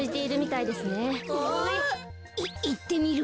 いいってみる？